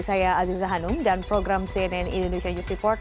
saya aziza hanum dan program cnn indonesia you support